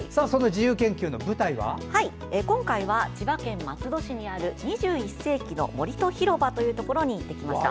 今回は千葉県松戸市にある２１世紀の森と広場に行ってきました。